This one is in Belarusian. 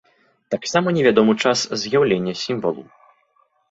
Таксама невядомы час з'яўлення сімвалу.